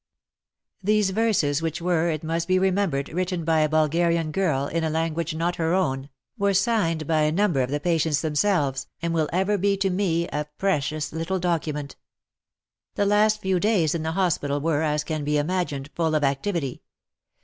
These verses, which were, it must be re membered, written by a Bulgarian girl, in a language not her own, were signed by a 13 194 WAR AND WOMEN number of the patients themselves, and will ever be to me a precious little document. The last few days in the hospital were, as can be imagined, full of activity.